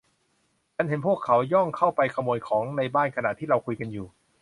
ฉันเห็นพวกเขาย่องเข้าไปขโมยของในบ้านขณะที่เราคุยกันอยู่